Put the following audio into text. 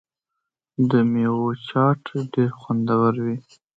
د میوو چاټ ډیر خوندور وي.